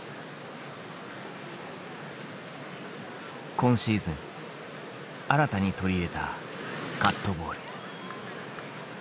今シーズン新たに取り入れたカットボール。